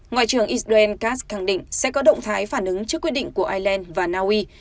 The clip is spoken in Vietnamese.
ngoại trưởng israel kass khẳng định sẽ có động thái phản ứng trước quyết định của ireland và naui